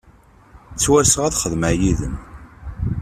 Ttwarseɣ ad xedmeɣ yid-m.